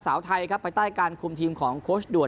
สาวไทยครับภายใต้การคุมทีมของโค้ชด่วน